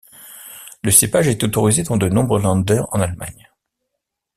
Le cépage est autorisé dans de nombreux Länder en Allemagne.